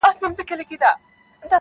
تور بخمل غوندي ځلېږې سر تر نوکه-